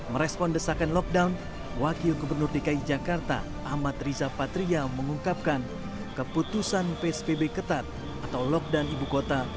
merespon desakan lockdown wakil gubernur dki jakarta ahmad riza patria mengungkapkan keputusan psbb ketat atau lockdown ibu kota